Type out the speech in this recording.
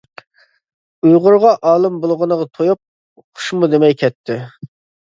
ئۇيغۇرغا ئالىم بولغىنىغا تويۇپ، خوشمۇ دېمەي كەتتى.